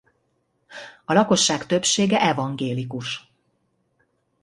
A lakosság többsége evangélikus.